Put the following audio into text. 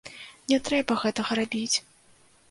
Не трэба гэтага рабіць!